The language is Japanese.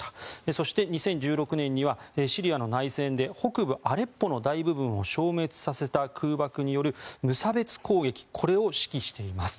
そして、２０１６年にはシリアの内戦で北部アレッポの大部分を消滅させた空爆による無差別攻撃を指揮しています。